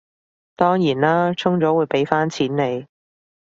當然啦，充咗會畀返錢你